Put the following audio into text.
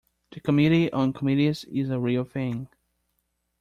The Committee on Committees is a real thing.